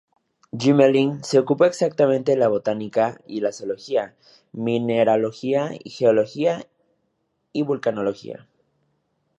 Gmelin se ocupó extensamente de la Botánica y la Zoología, Mineralogía, Geología y Vulcanología.